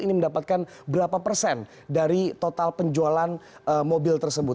ini mendapatkan berapa persen dari total penjualan mobil tersebut